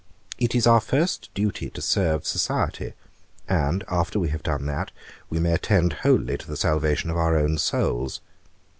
It is our first duty to serve society, and, after we have done that, we may attend wholly to the salvation of our own souls.